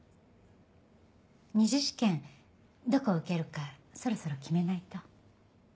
２次試験どこ受けるかそろそろ決めないと。